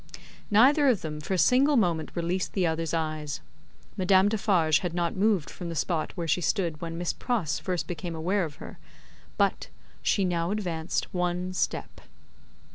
Neither of them for a single moment released the other's eyes. Madame Defarge had not moved from the spot where she stood when Miss Pross first became aware of her; but, she now advanced one step.